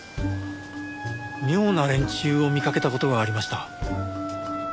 妙な連中を見かけた事がありました。